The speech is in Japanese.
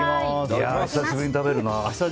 久しぶりに食べるな。